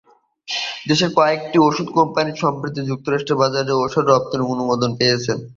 দেশের কয়েকটি ওষুধ কোম্পানি সম্প্রতি যুক্তরাষ্ট্রের বাজারে ওষুধ রপ্তানির অনুমোদন পেয়েছে।